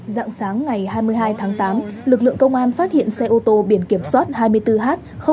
dặn sáng ngày hai mươi hai tháng tám lực lượng công an phát hiện xe ô tô biển kiểm soát hai mươi bốn h bốn trăm tám mươi sáu